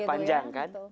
karena panjang kan